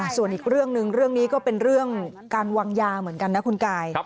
ส่วนอีกเรื่องหนึ่งเรื่องนี้ก็เป็นเรื่องการวางยาเหมือนกันนะคุณกาย